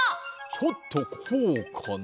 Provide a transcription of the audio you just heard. ちょっとこうかな？